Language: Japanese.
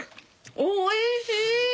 おいしい！